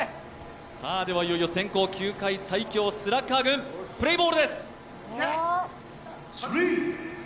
いよいよ先攻、球界最強スラッガー軍、プレーボールです。